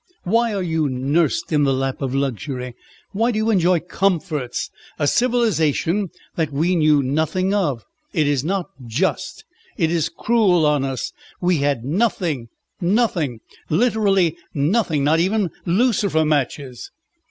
Why are you nursed in the lap of luxury? Why do you enjoy comforts, a civilisation that we knew nothing of? It is not just. It is cruel on us. We had nothing, nothing, literally nothing, not even lucifer matches!"